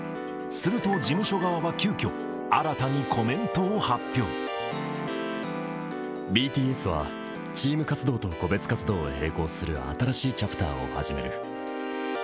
すると事務所側は急きょ、ＢＴＳは、チーム活動と個別活動を並行する新しいチャプターを始める。